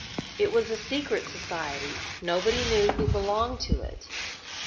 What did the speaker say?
It was a secret society: nobody knew who be longed to it.